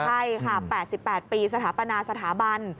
ใช่ค่ะ๘๘ปีสถาปนาสถาบัน